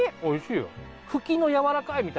おいしい！